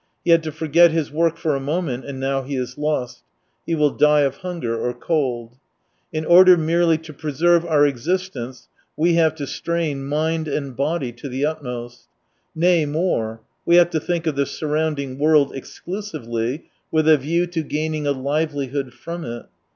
He had to forget his work for a moment, and now he is lost : he will die of hunger or cold. In order merely to preserve our existence we have to strain mind and body to the utmost : nay more, we have to think of the surrounding world exclusively with a view to gaining a liveli hood from it.